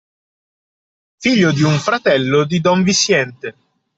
Figlio di un fratello di don Viciente.